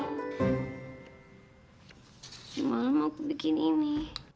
di malam aku bikin ini